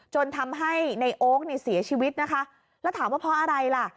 จนทำให้ในโอ๊คเนี่ยเสียชีวิตนะคะแล้วถามว่าเพราะอะไรล่ะ